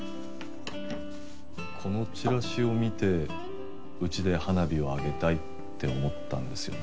このチラシを見てうちで花火を上げたいって思ったんですよね？